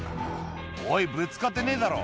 おいぶつかってねえだろ